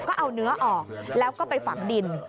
ก็เอาเนื้อออกแล้วก็ไปฝังดิน